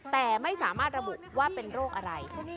แต่ไม่สามารถระบุว่าเป็นโรคอะไร